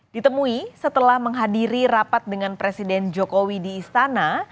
ditemui setelah menghadiri rapat dengan presiden jokowi di istana